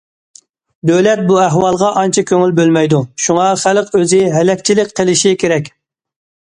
دۆلەت بۇ ئەھۋالغا ئانچە كۆڭۈل بۆلمەيدۇ، شۇڭا خەلق ئۆزى ھەلەكچىلىك قىلىشى كېرەك.